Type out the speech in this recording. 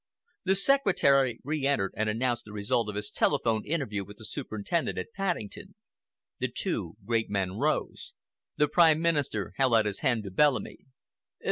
The secretary re entered and announced the result of his telephone interview with the superintendent at Paddington. The two great men rose. The Prime Minister held out his hand to Bellamy.